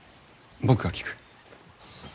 僕が聞く。